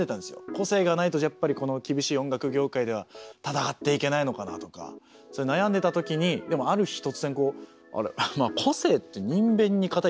個性がないとやっぱりこの厳しい音楽業界では闘っていけないのかなとかそういう悩んでたときにでもある日突然こう「個性」って「人偏」に「固い」って書いて。